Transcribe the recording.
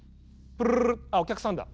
あお客さんだ。